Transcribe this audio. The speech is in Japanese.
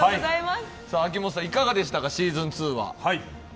秋元さん、いかがでしたか、「ｓｅａｓｏｎ２」は？